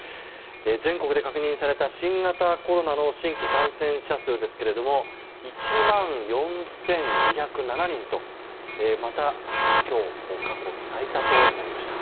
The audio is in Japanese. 全国で確認された新型コロナの新規感染者数ですが１万４２０７人とまた今日過去最多となりました。